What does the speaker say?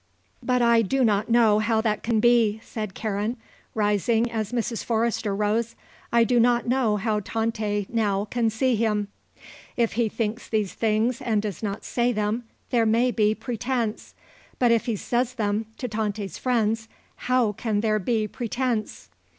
"But I do not know how that can be," said Karen, rising as Mrs. Forrester rose; "I do not know how Tante, now, can see him. If he thinks these things and does not say them, there may be pretence; but if he says them, to Tante's friends, how can there be pretence?"